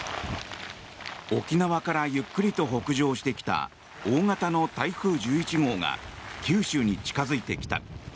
沖縄からゆっくりと北上してきた大型の台風１１号が九州に近付いてきた。